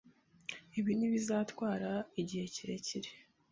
Ibi ntibizatwara igihe kirekire.